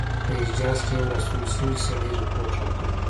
له حجاز څخه یو را ستون شوي سړي رپوټ راکړی.